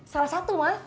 salah satu mah